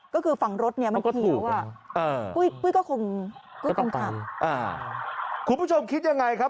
ก็คือฝั่งรถมันเขียวอ่ะคุ้ยก็คงคุ้ยก็ต้องตามอ่าคุณผู้ชมคิดยังไงครับ